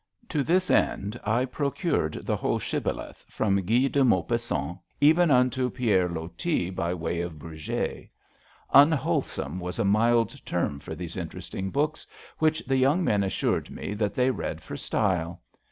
To this end I procured the whole Shibbo leth from Guy de Maupassant even unto Pierre Loti by way of Bourget, Unwholesome was a mild term for these interesting books, which the young men assured me that they read for style.